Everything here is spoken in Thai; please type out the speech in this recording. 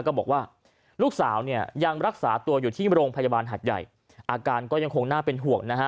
ก็บอกว่าลูกสาวเนี่ยยังรักษาตัวอยู่ที่โรงพยาบาลหัดใหญ่อาการก็ยังคงน่าเป็นห่วงนะฮะ